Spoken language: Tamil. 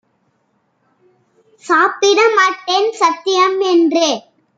சாப்பிட மாட்டேன் சத்தியம் என்று!